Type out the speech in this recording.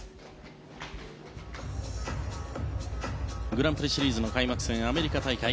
グランプリシリーズの開幕戦アメリカ大会。